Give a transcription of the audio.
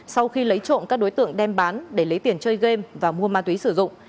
sau khi lấy trộm các đối tượng đem bán để lấy tiền chơi game và mua ma túy sử dụng